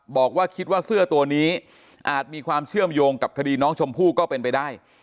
บอกว่าคิดว่าเสื้อตัวนี้อาจมีความเชื่อมโยงกับคดีน้องชมพู่ก็เป็นไปได้